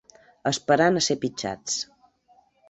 Esperant a ser pitjats.